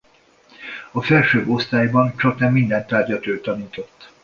A felsőbb osztályban csaknem minden tárgyat ő tanított.